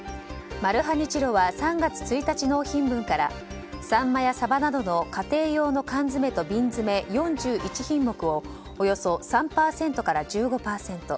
マルハニチロは３月１日納品分からサンマやサバなどの家庭用の缶詰と瓶詰４１品目をおよそ３％から１４％